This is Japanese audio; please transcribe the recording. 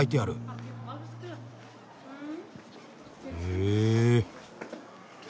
へえ。